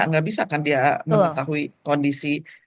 nggak bisa kan dia mengetahui kondisi